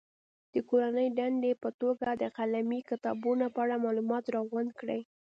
د کورنۍ دندې په توګه د قلمي کتابونو په اړه معلومات راغونډ کړي.